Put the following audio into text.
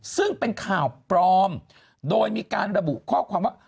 ซึ่งเป็นข่าวปลอมโดยมีการระบุข้อความว่า